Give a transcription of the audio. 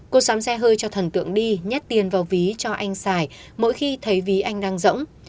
cô xám xe hơi cho thần tượng đi nhét tiền vào ví cho anh xài mỗi khi thấy ví anh đang rỗng